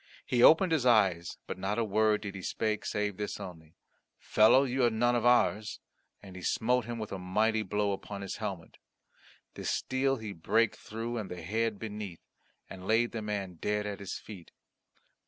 He opened his eyes but not a word did he speak save this only, "Fellow, you are none of ours," and he smote him a mighty blow upon his helmet. The steel he brake through and the head beneath, and laid the man dead at his feet.